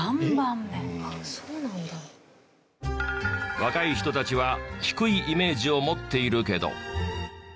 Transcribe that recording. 若い人たちは低いイメージを持っているけど。